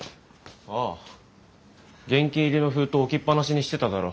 ああ現金入りの封筒置きっ放しにしてただろ？